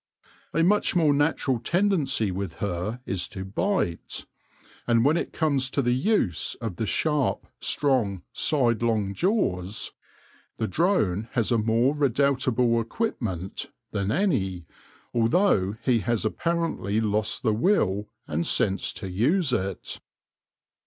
A much more natural tendency with her is to bite ; and when it comes to the use of the sharp, strong, sidelong jaws, the drone has a more redoubtable equipment, than any, although he has apparently lost the will and sense to use it.